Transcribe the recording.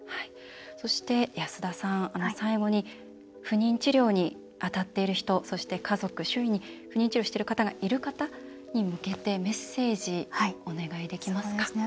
そして安田さん最後に不妊治療に当たっている人そして家族、周囲に不妊治療をしている方がいる方に向けてメッセージ、お願いできますか。